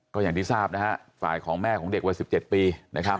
ก็อย่างที่ทราบนะฮะฝ่ายของแม่ของเด็กวัย๑๗ปีนะครับ